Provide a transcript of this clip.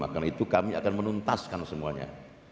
karena itu kami akan menuntaskan semuanya